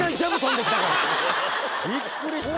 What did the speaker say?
びっくりした。